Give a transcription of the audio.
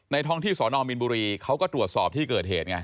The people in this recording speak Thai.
ท้องที่สอนอมมีนบุรีเขาก็ตรวจสอบที่เกิดเหตุไง